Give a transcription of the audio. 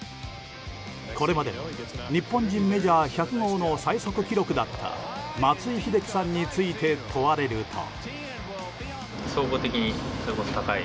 これまでの日本人メジャー１００号の最速記録だった松井秀喜さんについて問われると。